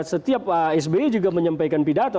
setiap sbi juga menyampaikan pidato